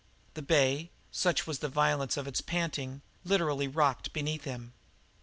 The bay, such was the violence of its panting, literally rocked beneath him.